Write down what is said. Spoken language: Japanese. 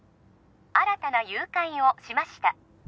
新たな誘拐をしました